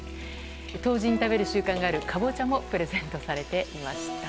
冬至に食べる習慣があるカボチャもプレゼントされていました。